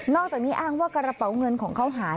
อกจากนี้อ้างว่ากระเป๋าเงินของเขาหาย